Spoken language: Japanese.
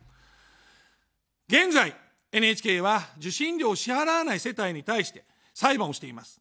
現在、ＮＨＫは受信料を支払わない世帯に対して裁判をしています。